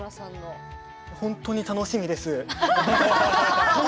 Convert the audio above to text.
本当に楽しみです！